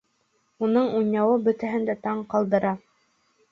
Уның уйнауы бөтәһен дә таң ҡалдыра